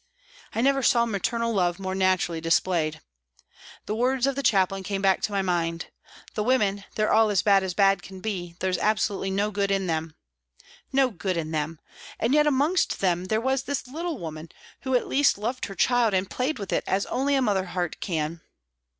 I never saw maternal love more naturally displayed. The words of the Chaplain came back to my mind "The women, they're all as bad as bad can be, there's absolutely no good in them." No good in them ! and yet amongst them there was this little woman who, at least, loved her child and played with it as only a mother heart can